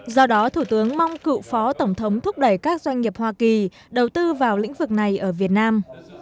do đó thủ tướng mong cựu phó tổng thống thúc đẩy các doanh nghiệp hoa kỳ đầu tư vào lĩnh vực này ở việt nam